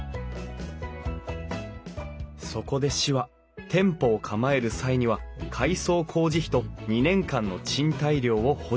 そこで市は店舗を構える際には改装工事費と２年間の賃貸料を補助。